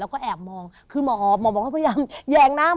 และก็เอียบมองคือหมอออบหมอหมอก็พยายามแยงหน้า